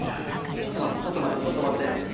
ちょっとまってちょっとまってちょっとまって。